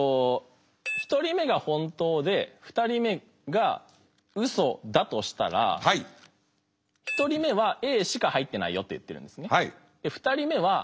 １人目が本当で２人目がウソだとしたら１人目はＡしか入ってないよと言ってるんですね。